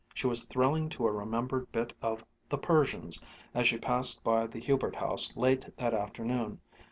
She was thrilling to a remembered bit of "The Persians" as she passed by the Hubert house late that afternoon.